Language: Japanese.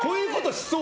しそう。